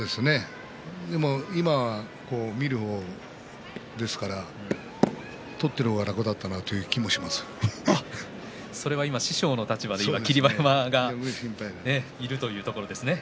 でも今は見る方ですから取ってる方が楽だったなそれは今、師匠の立場で霧馬山がいるということですね。